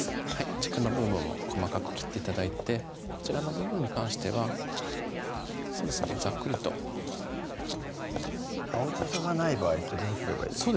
軸の部分も細かく切って頂いてこちらの部分に関してはそうですねざっくりと青じそがない場合ってどうすればいいですか？